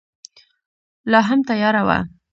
لا هم تیاره وه.